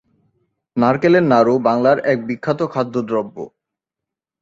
নারকেলের নাড়ু বাংলার এক বিখ্যাত খাদ্য দ্রব্য।